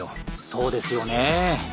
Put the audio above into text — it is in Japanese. そうですよね。